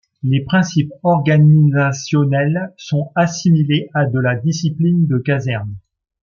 Les principes organisationnels sont assimilés à de la discipline de caserne.